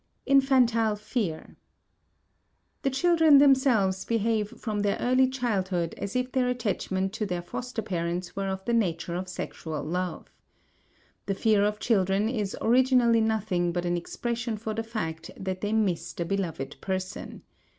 *Infantile Fear.* The children themselves behave from their early childhood as if their attachment to their foster parents were of the nature of sexual love. The fear of children is originally nothing but an expression for the fact that they miss the beloved person.